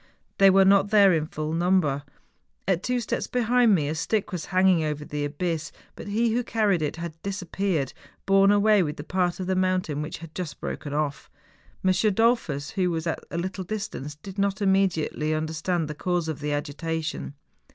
They were not there in full number. At two steps behind me a stick was hang¬ ing over the abyss, but he who carried it had dis¬ appeared, borne away with tlie part of the moun¬ tain which had just broken off. M. Dollfus, who was at a little distance, did not immediately under¬ stand the cause of the agitation.